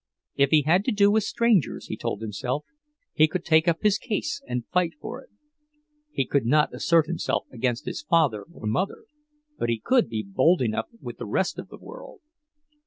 If he had to do with strangers, he told himself, he could take up his case and fight for it. He could not assert himself against his father or mother, but he could be bold enough with the rest of the world.